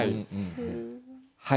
はい。